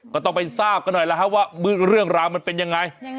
ก็ต้องไปทราบกันหน่อยแล้วครับว่าเรื่องราวมันเป็นยังไง